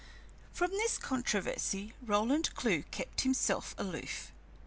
From this controversy Roland Clewe kept himself aloof.